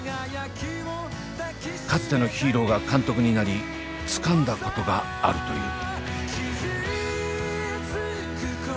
かつてのヒーローが監督になりつかんだことがあるという。